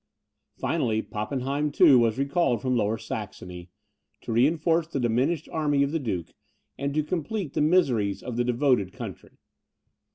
Finally, Pappenheim, too, was recalled from Lower Saxony, to reinforce the diminished army of the duke, and to complete the miseries of the devoted country.